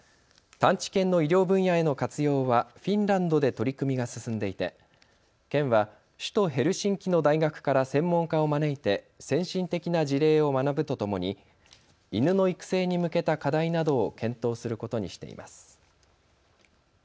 探知犬の医療分野への活用はフィンランドで取り組みが進んでいて県は首都ヘルシンキの大学から専門家を招いて先進的な事例を学ぶとともに犬の育成に向けた課題などを検討することにしています。